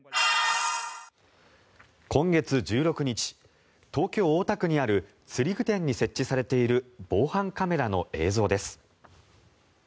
今月１６日東京・大田区にある釣具店に設置されている防犯カメラの映像です。